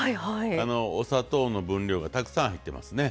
お砂糖の分量がたくさん入ってますね。